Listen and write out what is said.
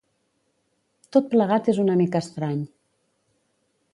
Tot plegat és una mica estrany.